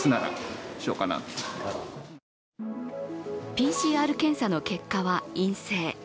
ＰＣＲ検査の結果は、陰性。